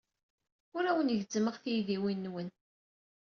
Ur awen-gezzmeɣ taydiwin-nwen.